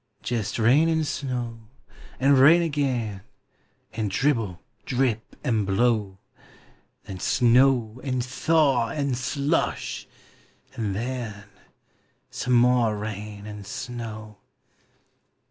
Jest rain and snow! and rain again! And dribble! drip! and blow! Then snow! and thaw! and slush! and then Some more rain and snow!